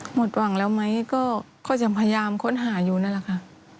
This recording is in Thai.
หมดหวังแล้วไหมก็ยังพยายามค้นหาอยู่นั่นแหละค่ะ